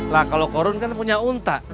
lah kalau korun kan punya unta